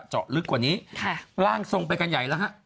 เจาะลึกกว่านี้ร่างทรงไปกันใหญ่แล้วฮะ